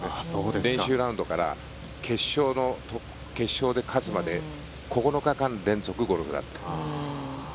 練習ラウンドから決勝で勝つまで９日間連続ゴルフだったと。